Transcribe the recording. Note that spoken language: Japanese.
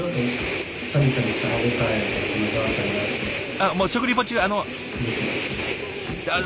あっもう食リポ中あの。